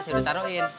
saya udah taruhin